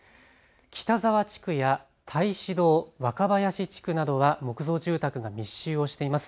北沢地区や太子堂・若林地区などは木造住宅が密集をしています。